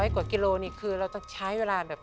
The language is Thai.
กว่ากิโลนี่คือเราต้องใช้เวลาแบบ